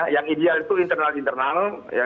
yang ideal itu internal internal